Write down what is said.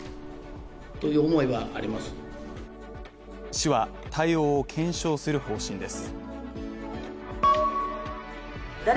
市は対応を検証する方針です。